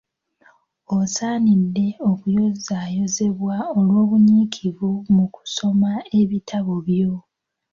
Osaanidde okuyozaayozebwa olw’obunyiikivu mu kusoma ebitabo byo.